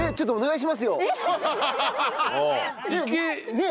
ねえ。